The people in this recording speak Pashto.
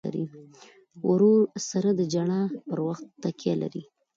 ورور سره د ژړا پر وخت تکیه لرې.